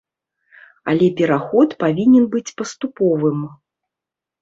Але пераход павінен быць паступовым.